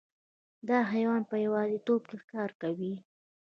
دا حیوان په یوازیتوب کې ښکار کوي.